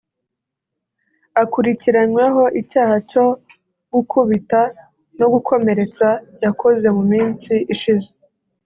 Akurikiranyweho icyaha cyo gukubita no gukomeretsa yakoze mu minsi ishize